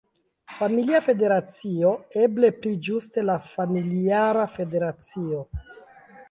Familia Federacio, eble pli ĝuste la Familiara Federacio.